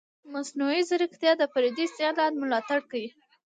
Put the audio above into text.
مصنوعي ځیرکتیا د فردي استعداد ملاتړ کوي.